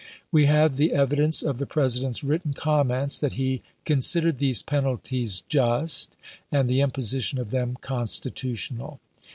We have the evidence of the President's written comments that he consid ered these penalties just and the imposition of them constitutional.